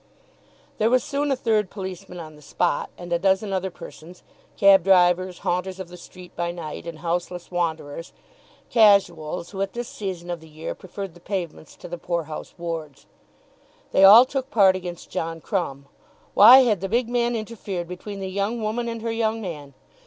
There was soon a third policeman on the spot, and a dozen other persons, cab drivers, haunters of the street by night, and houseless wanderers, casuals who at this season of the year preferred the pavements to the poor house wards. They all took part against John Crumb. Why had the big man interfered between the young woman and her young man?